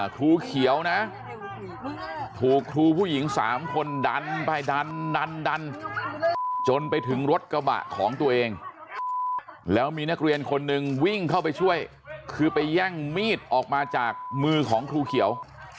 ครูเขียวนะถูกครูผู้หญิง๓คนดันไปดันดันจนไปถึงรถกระบะของตัวเองแล้วมีนักเรียนคนหนึ่งวิ่งเข้าไปช่วยคือไปแย่งมีดออกมาจากมือของครูเขียว